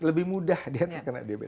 lebih mudah dia terkena diabete